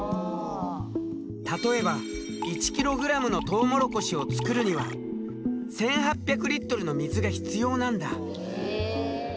例えば１キログラムのトウモロコシを作るには１，８００リットルの水が必要なんだ。